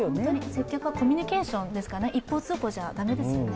接客はコミュニケーションですからね、一方通行じゃ駄目ですよね